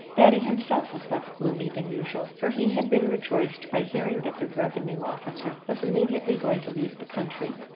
Thady himself was less gloomy than usual, for he had been rejoiced by hearing that the revenue officer was immediately going to leave the country.